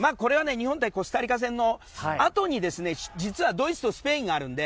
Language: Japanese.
日本とコスタリカ戦のあとに実は、ドイツとスペインがあるので。